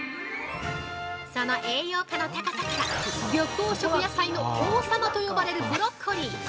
◆その栄養価の高さから緑黄色野菜の王様と呼ばれるブロッコリー。